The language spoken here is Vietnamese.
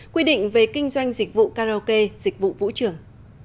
quy định về kinh doanh dịch vụ karaoke dịch vụ vũ trường